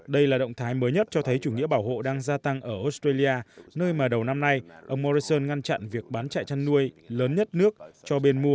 đây là động thái mới nhất cho thấy chủ nghĩa bảo hộ đang gia tăng ở australia nơi mà đầu năm nay ông morrison ngăn chặn việc bán chạy chăn nuôi lớn nhất nước cho bên mua